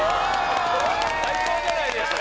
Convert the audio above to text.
最高じゃないですか。